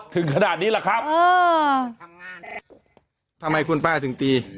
ถึงขนาดนี้ล่ะครับเออทำงานทำไมคุณป้าถึงตี